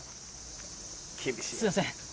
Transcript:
すいません。